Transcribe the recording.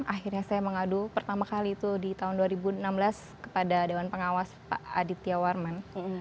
akhirnya saya mengadu pertama kali itu di tahun dua ribu enam belas kepada dewan pengawas pak aditya warman